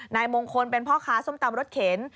นายมงคลเป็นพ่อค้าส้มตำรถเข็น